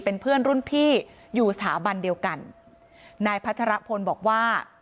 เป็นเพื่อนรุ่นพี่อยู่สถาบันเดียวกันนายพัชรพลบอกว่า